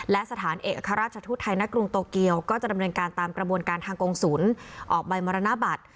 และสถานเอกราชทูตไทยณกรุงโตเกียวก็จะดำเนินการตามกระบวนการทางกงศูนย์ออกใบมรณบัตร